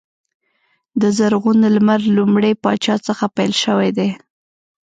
د زرغون لمر لومړي پاچا څخه پیل شوی دی.